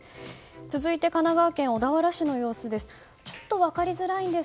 続いて神奈川県小田原市の様子です。